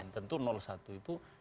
dan tentu satu itu